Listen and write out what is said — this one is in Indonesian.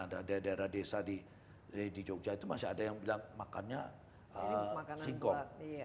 ada daerah desa di jogja itu masih ada yang bilang makannya singkong